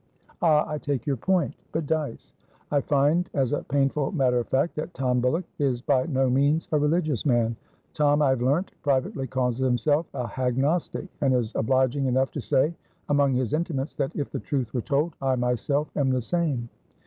"Ah! I take your point. But, Dyce, I find as a painful matter of fact that Tom Bullock is by no means a religious man. Tom, I have learnt, privately calls himself 'a hagnostic,' and is obliging enough to say among his intimates that, if the truth were told, I myself am the same.